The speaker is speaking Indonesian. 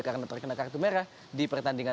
karena terkena kesehatan